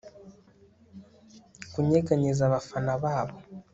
kunyeganyeza abafana babo